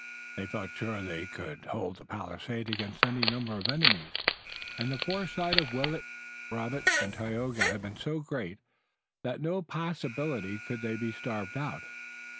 They felt sure they could hold the palisade against any number of enemies, and the foresight of Willet, Robert and Tayoga had been so great that by no possibility could they be starved out.